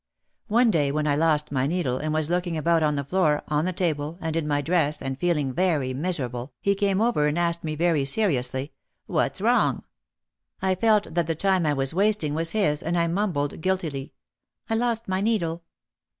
One day when I lost my needle and was looking about on the floor, on the table, and in my dress and feeling very miserable, he came over and asked me very seriously, "What's wrong?" I felt that the time I was wasting was his and I mumbled guiltily : "I lost my needle."